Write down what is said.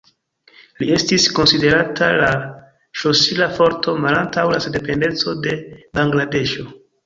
Li estis konsiderata la ŝlosila forto malantaŭ la sendependeco de Bangladeŝo.